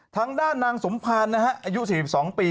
ทางด้านนางสมภารนะฮะอายุ๔๒ปี